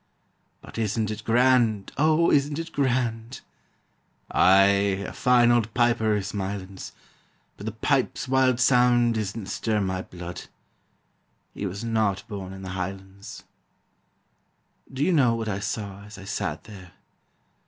"But isn't it grand? O, isn't it grand?" "Ay, a fine auld player is Mylands, But the pipes' wild sound disna stir my bluid" He was not born in the highlands. Do you know what I saw as I sat there?